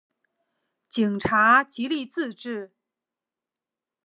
警察极力自制